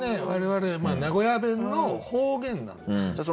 我々名古屋弁の方言なんですね。